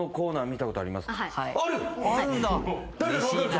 ある？